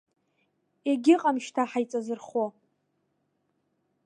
Егьыҟам шьҭа ҳаиҵазырхо.